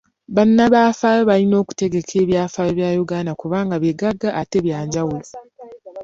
Bannabyafaayo balina okutegeka ebyafaayo bya Uganda kubanga bigagga ate bya njawulo.